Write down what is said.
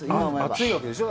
熱いわけでしょ？